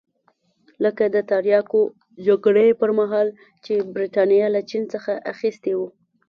لکه د تریاکو جګړې پرمهال چې برېټانیا له چین څخه اخیستي وو.